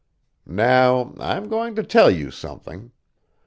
Now I am going to tell you something.